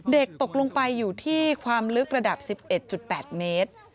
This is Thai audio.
เด็กตกลงไปอยู่ที่ความลึกระดับ๑๑๘เมตร